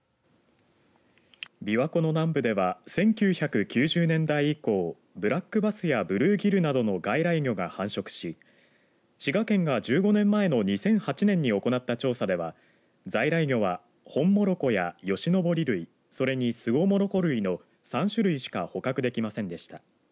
びわ湖の南部では１９９０年代以降ブラックバスやブルーギルなどの外来魚が繁殖し滋賀県が１５年前の２００８年に行った調査では在来魚はホンモロコやヨシノボリ類それにスゴモロコ類の３種類しか捕獲できませんでした。